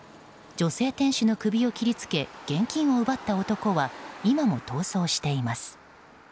女性店主の首を切りつけ現金を奪った男は今も逃走しています。